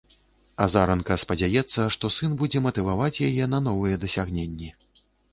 Азаранка спадзяецца, што сын будзе матываваць яе на новыя дасягненні.